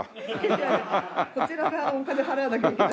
いやこちらがお金払わなきゃいけない。